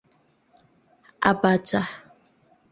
abacha